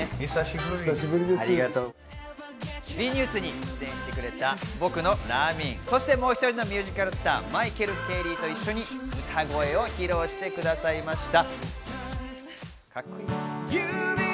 ＷＥニュースに出演してくれた僕のラミン、そしてもう一人のミュージカルスター、マイケル・Ｋ・リーと一緒に歌声を披露してくださいました。